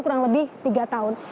kurang lebih tiga tahun